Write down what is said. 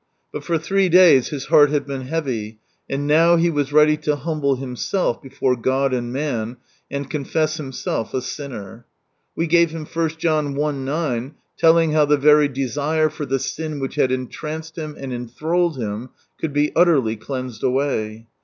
But for three days his heart had been heavy, and now he was ready to humble himself before God and man, and confess himself a sinner. We gave him i John i. 9, telling how the very desire for the sin which had entranced him and enthralled him could be utterly cleansed away.